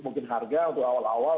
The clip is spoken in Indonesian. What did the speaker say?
mungkin harga untuk awal awal